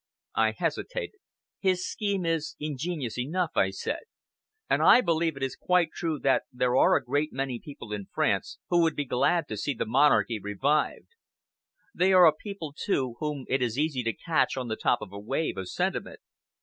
I hesitated. "His scheme is ingenious enough," I said, "and I believe it is quite true that there are a great many people in France who would be glad to see the Monarchy revived. They are a people, too, whom it is easy to catch on the top of a wave of sentiment.